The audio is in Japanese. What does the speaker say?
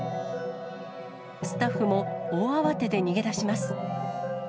スタッフも大慌てで逃げだします。